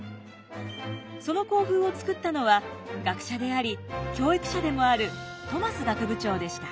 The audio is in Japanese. その校風を作ったのは学者であり教育者でもあるトマス学部長でした。